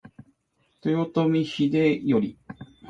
豊臣秀頼